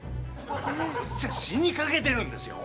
こっちは死にかけてるんですよ